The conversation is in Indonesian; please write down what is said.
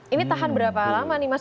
ini tahan berapa lama nih mas